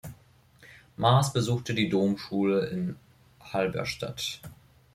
Maaß besuchte die Domschule in Halberstadt.